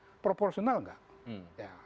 ini adalah prosesnya apa